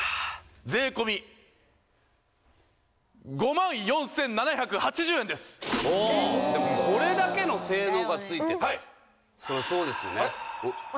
税込５万４７８０円ですおおでもこれだけの性能がついててそりゃそうですよねは